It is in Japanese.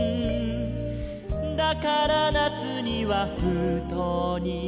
「だから夏には封筒に」